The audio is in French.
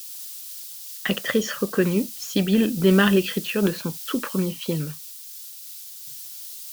Actrice reconnue, Sybille démarre l’écriture de son tout premier film.